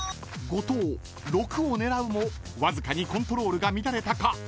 ［後藤６を狙うもわずかにコントロールが乱れたか］